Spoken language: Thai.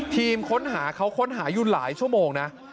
ทีมค้นหาเขาค้นหาอยู่หลายชั่วโมงนะ